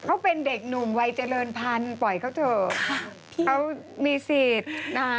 เขาเป็นเด็กหนุ่มวัยเจริญพันธุ์ปล่อยเขาเถอะเขามีสิทธิ์นะคะ